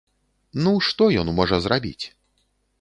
Ну, што ён можа зрабіць?